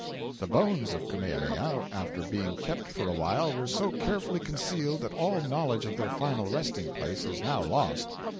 The bones of Kamehameha, after being kept for a while, were so carefully concealed that all knowledge of their final resting place is now lost.